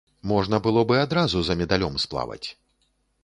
Можна было б і адразу за медалём сплаваць.